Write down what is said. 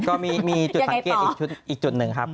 ก็มีจุดสังเกตอีกจุดหนึ่งครับ